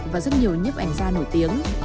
và rất nhiều nhấp ảnh gia nổi tiếng